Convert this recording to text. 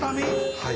はい。